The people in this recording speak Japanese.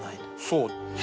そう。